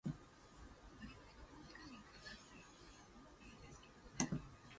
Lucy backs out of the heist because she receives a scholarship to Harvard.